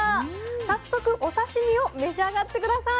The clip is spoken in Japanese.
早速お刺身を召し上がって下さい。